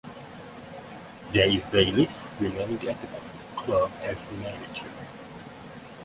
Dave Bayliss remained at the club as manager.